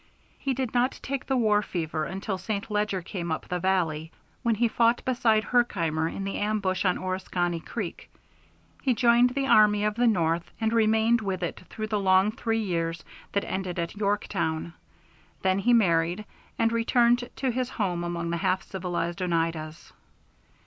He did not take the war fever until St. Leger came up the valley, when he fought beside Herkimer in the ambush on Oriskany Creek. He joined the army of the North, and remained with it through the long three years that ended at Yorktown; then he married, and returned to his home among the half civilized Oneidas.